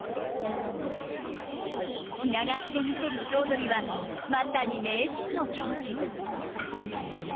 着流しで見せる素踊りはまさに名人の境地。